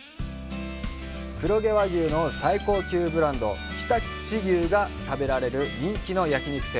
黒毛和牛の最高級ブランド、常陸牛が食べられる人気の焼き肉店。